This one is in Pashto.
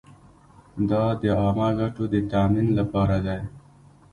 دا د عامه ګټو د تامین لپاره دی.